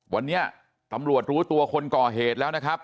วันนี้ตำรวจรู้ตัวคนก่อเหตุแล้วนะครับ